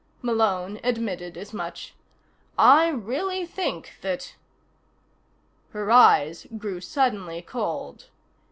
Malone admitted as much. "I really think that " Her eyes grew suddenly cold.